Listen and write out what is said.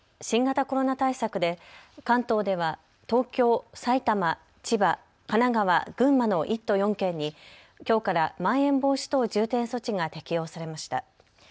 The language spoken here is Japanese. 新型コロナ対策で関東では東京、埼玉、千葉、神奈川、群馬の１都４県にきょうからまん延防止等重点措置が適用されました。